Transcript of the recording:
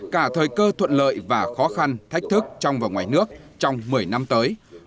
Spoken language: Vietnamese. cả thời cơ thuận lợi và khó khăn thách thức trong và ngoài nước trong một mươi năm tới